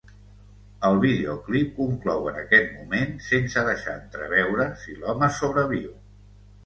El videoclip conclou en aquest moment sense deixar entreveure si l'home sobreviu.